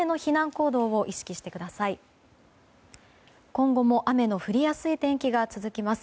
今後も雨の降りやすい天気が続きます。